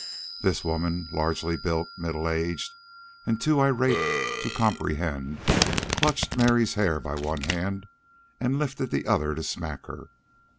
This woman, largely built, middle aged, and too irate to comprehend, clutched Mary's hair by one hand and lifted the other to smack her.